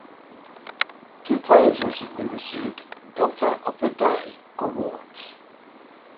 Two players recently received "Delta Devil of the Day" awards.